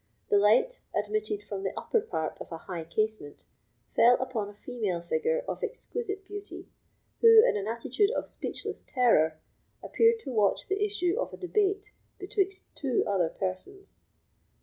The light, admitted from the upper part of a high casement, fell upon a female figure of exquisite beauty, who, in an attitude of speechless terror, appeared to watch the issue of a debate betwixt two other persons.